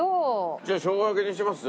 じゃあしょうが焼きにします？